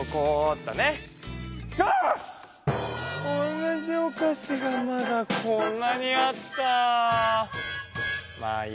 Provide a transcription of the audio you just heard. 同じおかしがまだこんなにあった。